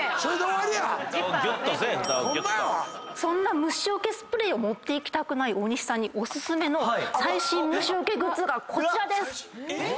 そんな虫よけスプレーを持っていきたくない大西さんにお薦めの最新虫よけグッズがこちらです！